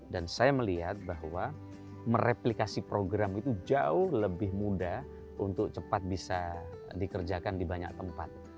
dan saya melihat bahwa mereplikasi program itu jauh lebih mudah untuk cepat bisa dikerjakan di banyak tempat